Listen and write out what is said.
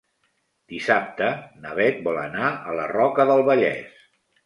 Dissabte na Bet vol anar a la Roca del Vallès.